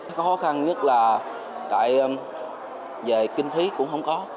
cái khó khăn nhất là về kinh phí cũng không có